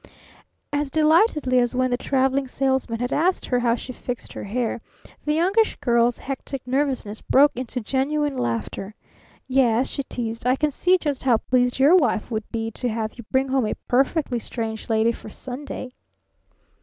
As delightedly as when the Traveling Salesman had asked her how she fixed her hair, the Youngish Girl's hectic nervousness broke into genuine laughter. "Yes," she teased, "I can see just how pleased your wife would be to have you bring home a perfectly strange lady for Sunday!"